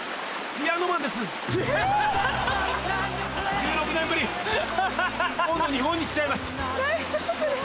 １６年ぶり日本に来ちゃいました。